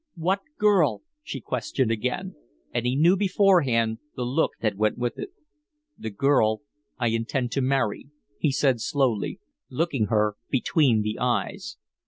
"What girl?" she questioned again, and he knew beforehand the look that went with it. "The girl I intend to marry," he said, slowly, looking her between the eyes.